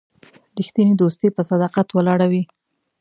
رښتینی دوستي په صداقت ولاړه وي.